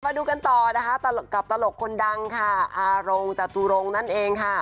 มาดูกันต่อนะคะกับตลกคนดังค่ะอารงจตุรงค์นั่นเองค่ะ